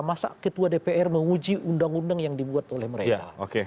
masa ketua dpr menguji undang undang yang dibuat oleh mereka